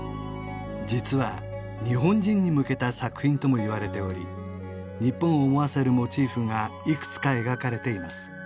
実は日本人に向けた作品ともいわれており日本を思わせるモチーフがいくつか描かれています